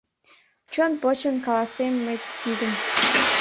Чон почын, каласем мый тидым: